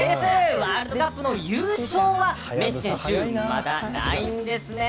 ワールドカップの優勝はメッシ選手、まだないんですね。